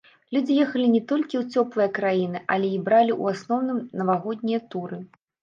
Людзі ехалі не толькі ў цёплыя краіны, але і бралі ў асноўным навагоднія туры.